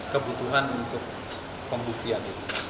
kebutuhan untuk pembuktian